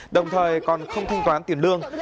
đồng thời còn không thanh toán tiền lương